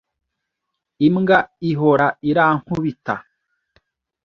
Imbwa ihora irankubita.